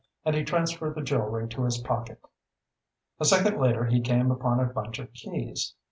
And he transferred the jewelry to his pocket. A second later he came upon a bunch of keys.